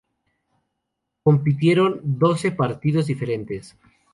Compitieron doce partidos diferentes.